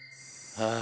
ああ。